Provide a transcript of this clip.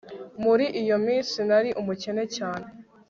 muri iyo minsi nari umukene cyane